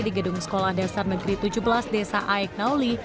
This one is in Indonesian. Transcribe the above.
di gedung sekolah dasar negeri tujuh belas desa aeknauli